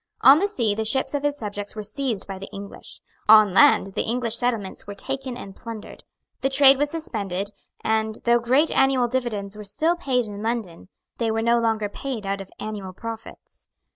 On the sea the ships of his subjects were seized by the English. On land the English settlements were taken and plundered. The trade was suspended; and, though great annual dividends were still paid in London, they were no longer paid out of annual profits.